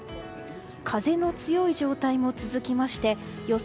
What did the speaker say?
風の強い状態も続きまして予想